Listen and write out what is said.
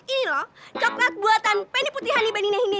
ini loh coklat buatan penny putihani bani nehine